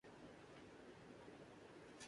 معاون ثابت ہوتی ہیں